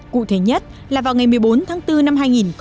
cụ thể nhất là vào ngày một mươi bốn tháng bốn năm hai nghìn một mươi bảy